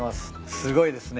すごいですね。